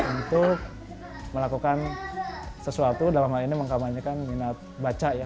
untuk melakukan sesuatu dalam hal ini mengkampanyekan minat baca ya